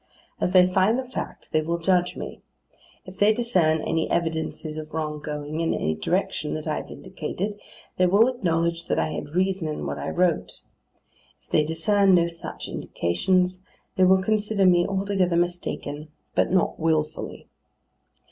As they find the fact, they will judge me. If they discern any evidences of wrong going, in any direction that I have indicated, they will acknowledge that I had reason in what I wrote. If they discern no such indications, they will consider me altogether mistaken—but not wilfully.